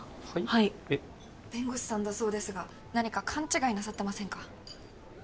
はい弁護士さんだそうですが何か勘違いなさってませんか？